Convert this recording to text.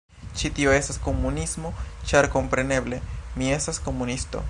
Ĉi tio estas komunismo ĉar, kompreneble, mi estas komunisto